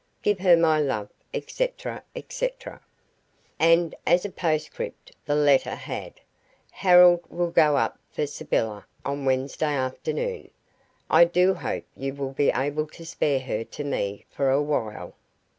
Give her my love," etc., etc., and as a postscript the letter had "Harold will go up for Sybylla on Wednesday afternoon. I do hope you will be able to spare her to me for a while."